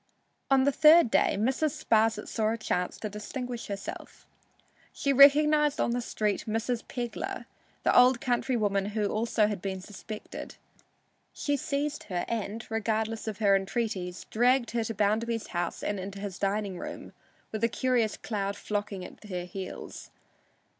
On the third day Mrs. Sparsit saw a chance to distinguish herself. She recognized on the street "Mrs. Pegler," the old countrywoman who also had been suspected. She seized her and, regardless of her entreaties, dragged her to Bounderby's house and into his dining room, with a curious crowd flocking at their heels.